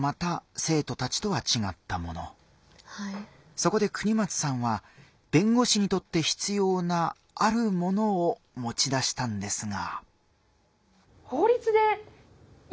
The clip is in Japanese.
そこで國松さんは弁護士にとって必要なあるものをもち出したんですが。